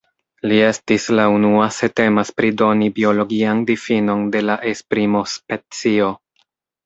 Li estis la unua se temas pri doni biologian difinon de la esprimo "specio".